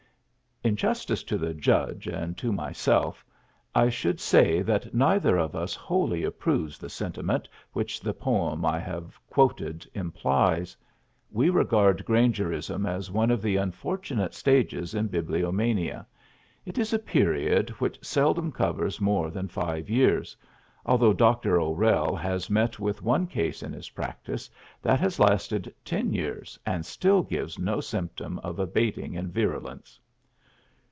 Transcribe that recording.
In justice to the Judge and to myself I should say that neither of us wholly approves the sentiment which the poem I have quoted implies. We regard Grangerism as one of the unfortunate stages in bibliomania; it is a period which seldom covers more than five years, although Dr. O'Rell has met with one case in his practice that has lasted ten years and still gives no symptom of abating in virulence.